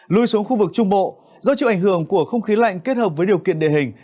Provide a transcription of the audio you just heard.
lui xuống khu vực trung bộ do chịu ảnh hưởng của không khí lạnh kết hợp với điều kiện địa hình